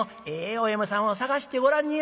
お嫁さんを探してごらんに入れます。